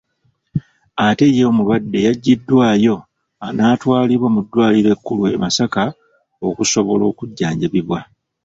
Ate ye omulwadde yaggiddwayo n'atwalibwa mu ddwaliro ekkulu e Masaka okusobola okujjanjabibwa.